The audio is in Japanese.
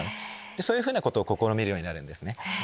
そういうふうなことを試みるようになるんですね。